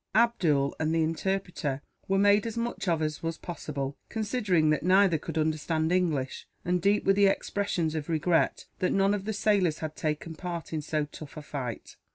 Abdool and the interpreter were made as much of as was possible, considering that neither could understand English; and deep were the expressions of regret that none of the sailors had taken part in so tough a fight.